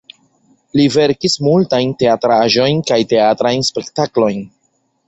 Li verkis multajn teatraĵojn kaj teatrajn spektaklojn.